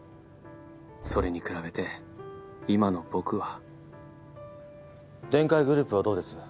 それに比べて今の僕はデンカイグループはどうです？